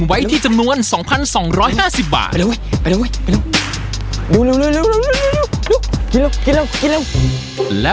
ไปแล้วไปแล้ว